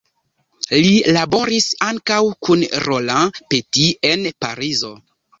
Li laboris ankaŭ kun Roland Petit en Parizo.